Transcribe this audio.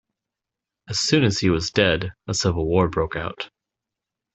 As soon as he was dead, a civil war broke out.